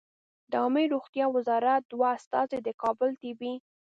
د عامې روغتیا وزارت دوه استازي د کابل طبي